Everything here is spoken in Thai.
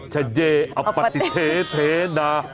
จะเยย์อับปะติแท้ท้า